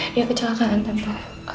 dia kecelakaan tante